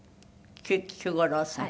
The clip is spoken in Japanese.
菊五郎さん。